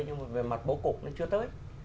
nhưng mà về mặt bố cục nó chưa tới